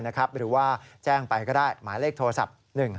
หรือว่าแจ้งไปก็ได้หมายเลขโทรศัพท์๑๕